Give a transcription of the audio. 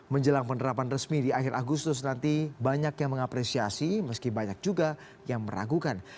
menjelang penerapan resmi di akhir agustus nanti banyak yang mengapresiasi meski banyak juga yang meragukan